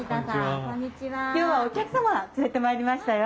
今日はお客様連れてまいりましたよ。